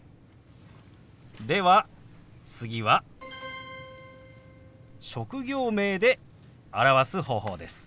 では次は職業名で表す方法です。